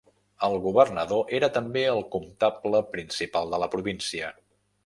El governador era també el comptable principal de la província.